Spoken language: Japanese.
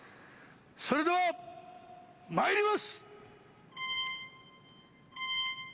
それではまいります！